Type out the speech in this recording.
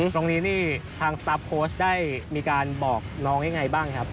ตรงนี้นี่ทางสตาร์ฟโค้ชได้มีการบอกน้องยังไงบ้างครับ